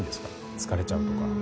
疲れちゃうとか。